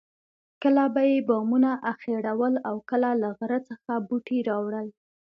کله به یې بامونه اخیړول او کله له غره څخه بوټي راوړل.